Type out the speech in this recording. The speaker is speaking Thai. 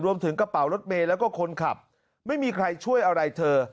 กระเป๋ารถเมย์แล้วก็คนขับไม่มีใครช่วยอะไรเธอ